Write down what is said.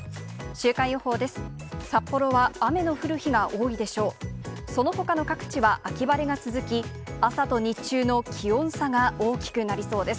週間予報です。